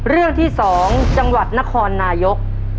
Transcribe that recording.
เรื่องที่๒จังหวัดนครนายก